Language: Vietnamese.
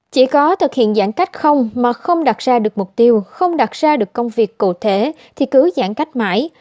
chỉ có thực hiện giãn cách không mà không đặt ra được mục tiêu không đặt ra được công việc cụ thể thì cứ giãn cách mãi